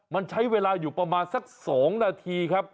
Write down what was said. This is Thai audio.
มันใช้เวลาอยู่ประมาณสัก๒นาทีครับ